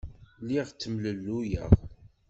Lliɣ ttemlelluyeɣ.